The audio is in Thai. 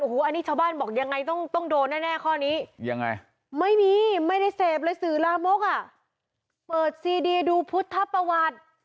กลางมกอ่ะเปิดซีดีดูพุทธประวัติ